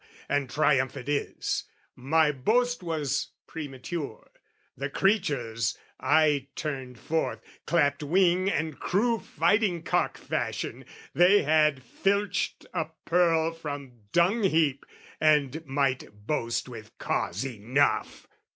And triumph it is! My boast was premature: The creatures, I turned forth, clapped wing and crew Fighting cock fashion, they had filched a pearl From dung heap, and might boast with cause enough!